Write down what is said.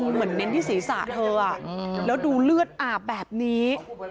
เน้นที่ศีรษะเธอแล้วดูเลือดอาบแบบนี้